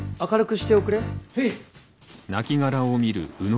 へい！